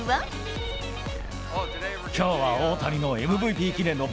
きょうは大谷のＭＶＰ記念の